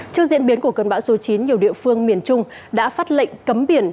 trước diễn biến của cơn bão số chín nhiều địa phương miền trung đã phát lệnh cấm biển